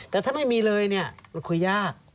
แต่ถ้าไม่มีเลยเนี่ยมันคุยยาก